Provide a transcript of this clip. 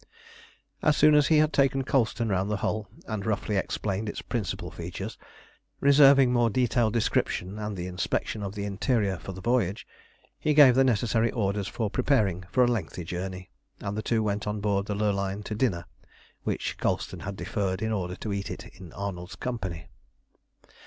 As soon as he had taken Colston round the hull, and roughly explained its principal features, reserving more detailed description and the inspection of the interior for the voyage, he gave the necessary orders for preparing for a lengthy journey, and the two went on board the Lurline to dinner, which Colston had deferred in order to eat it in Arnold's company.